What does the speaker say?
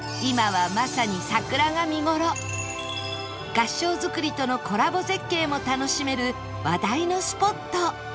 合掌造りとのコラボ絶景も楽しめる話題のスポット